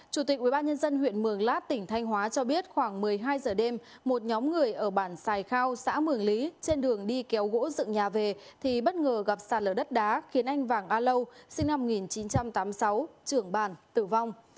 chủ tịch ubnd huyện mường lát tỉnh thanh hóa cho biết khoảng một mươi hai giờ đêm một nhóm người ở bản sài khao xã mường lý trên đường đi kéo gỗ dựng nhà về thì bất ngờ gặp sạt lở đất đá khiến anh vàng a lâu sinh năm một nghìn chín trăm tám mươi sáu trưởng bàn tử vong